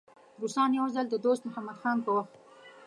روسانو یو ځل د دوست محمد خان په وخت.